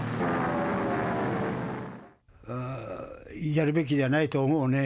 やるべきじゃないと思うね。